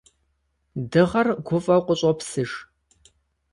Дыгъэр гуфӀэу къыщӀопсыж.